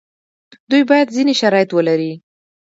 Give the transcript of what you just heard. دوی باید ځینې شرایط ولري.